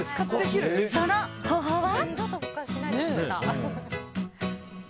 その方法は。